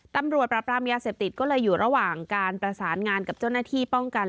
ตำรวจปราบรามยาเสพติดก็เลยอยู่ระหว่างการประสานงานกับเจ้าหน้าที่ป้องกัน